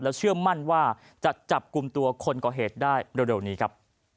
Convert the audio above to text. เชื่อมั่นว่าจะจับกลุ่มตัวคนก่อเหตุได้เร็วนี้ครับ